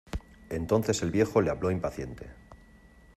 entonces el viejo le habló impaciente: